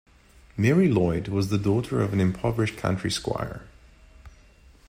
Mary Lloyd was the daughter of an impoverished country squire.